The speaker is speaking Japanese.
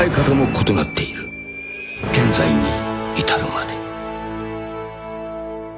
［現在に至るまで］